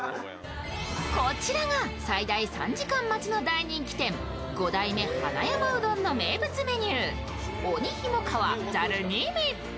こちらが最大３時間待ちの大人気店五代目花山うどんの名物メニュー、鬼ひも川ざる二味。